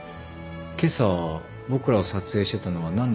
今朝僕らを撮影してたのは何のためですか？